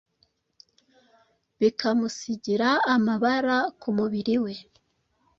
bikamusigira amabara kumubiri we